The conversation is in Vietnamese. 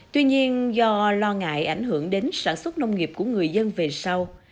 tuy nhiên do lo ngại ảnh hưởng đến sản xuất nông nghiệp của người dân về sau